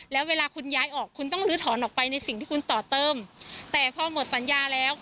แล้วเวลาคุณย้ายออกคุณต้องลื้อถอนออกไปในสิ่งที่คุณต่อเติมแต่พอหมดสัญญาแล้ว